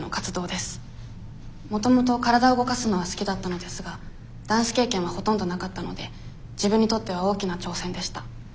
もともと体を動かすのは好きだったのですがダンス経験はほとんどなかったので自分にとっては大きな挑戦でした。